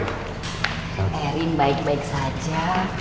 erin baik baik saja